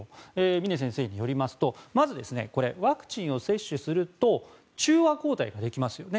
峰先生によりますとまず、ワクチンを接種すると中和抗体ができますよね。